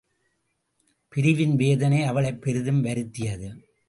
பிரிவின் வேதனை அவளைப் பெரிதும் வருத்தியது.